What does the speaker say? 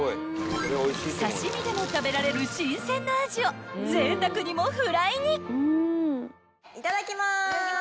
［刺し身でも食べられる新鮮なアジをぜいたくにもフライに］